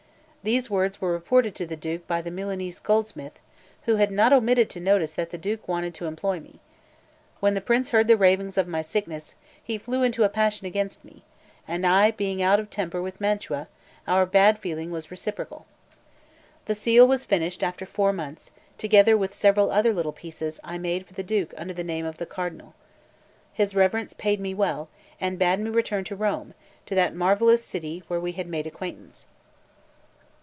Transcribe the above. These words were reported to the Duke by the Milanese goldsmith, who had not omitted to notice that the Duke wanted to employ me. When the Prince heard the ravings of my sickness, he flew into a passion against me; and I being out of temper with Mantua, our bad feeling was reciprocal. The seal was finished after four months, together with several other little pieces I made for the Duke under the name of the Cardinal. His Reverence paid me well, and bade me return to Rome, to that marvellous city where we had made acquaintance.